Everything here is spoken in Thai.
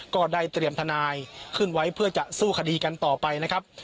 ก็ได้เตรียมทนายขึ้นไว้เพื่อจะสู้คดีกันต่อไปนะครับ